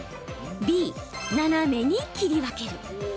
Ｂ・斜めに切り分ける。